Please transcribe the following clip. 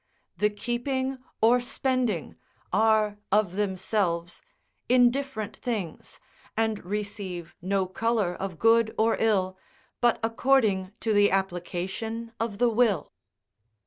The keeping or spending are, of themselves, indifferent things, and receive no colour of good or ill, but according to the application of the will.